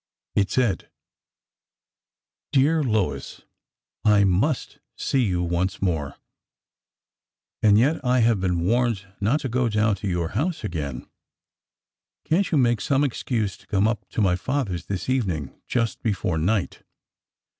It said :'' Dear Lois : I must see you once more. And yet I have been warned not to go down to your house again. Can^t you make some excuse to come up to my father's this evening, just before night?